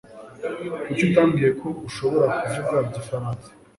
Kuki utambwiye ko ushobora kuvuga igifaransa?